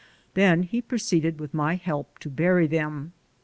Then he proceeded, with my help, to bury them.